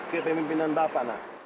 kepemimpinan bapak nak